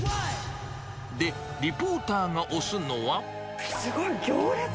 で、リポーターが推すのは。